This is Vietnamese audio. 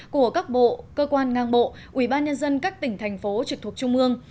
của các bộ cơ quan ngang bộ ủy ban nhân dân các tỉnh thành phố trực thuộc trung mương